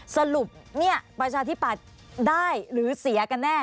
สรุปเนี่ยประชาธิปัตย์ได้หรือเสียกันแน่